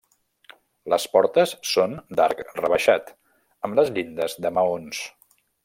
Les portes són d'arc rebaixat, amb les llindes de maons.